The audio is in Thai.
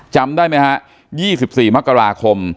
จำได้ไหมฮะ๒๔มกราคม